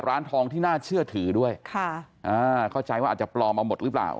ร้านทองที่น่าเชื่อถือด้วยค่ะอ่าเข้าใจว่าอาจจะปลอมมาหมดหรือเปล่า